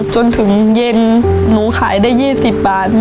จนถึงเย็นหนูขายได้๒๐บาท